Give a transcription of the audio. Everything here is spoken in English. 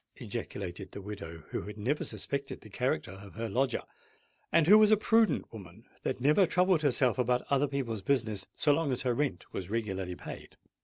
ejaculated the widow, who had never suspected the character of her lodger, and who was a prudent woman that never troubled herself about other people's business so long as her rent was regularly paid.